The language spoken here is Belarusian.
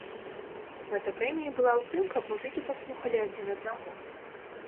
Мэта прэміі была ў тым, каб музыкі паслухалі адзін аднаго.